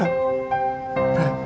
rahat jawab dong rahat